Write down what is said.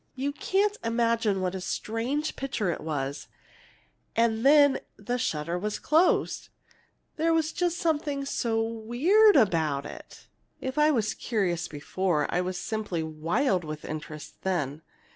You can't imagine what a strange picture it was and then the shutter was closed. There was something so weird about it all. "If I was curious before, I was simply wild with interest then.